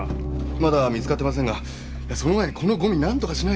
まだ見つかってませんがその前にこのゴミなんとかしないと。